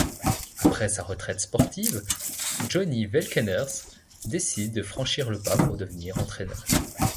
Après sa retraite sportive, Johnny Velkeneers décide de franchir le pas pour devenir entraîneur.